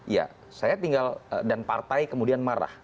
ya saya tinggal dan partai kemudian marah